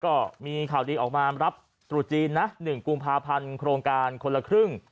ก็มีข่าวดีออกมารับตรุษจีนนะ๑กุมภาพันธ์โครงการคนละครึ่ง